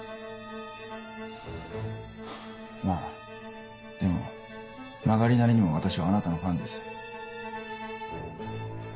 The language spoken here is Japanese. まぁでも曲がりなりにも私はあなたのファンです。